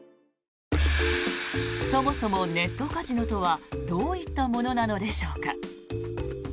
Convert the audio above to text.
そもそもネットカジノとはどういったものなのでしょうか。